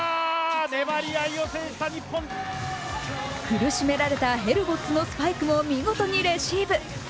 苦しめられたヘルボッツのスパイクも見事にレシーブ。